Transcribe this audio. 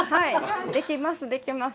できますできます。